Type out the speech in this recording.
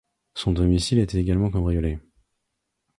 Son domicile est également cambriolé.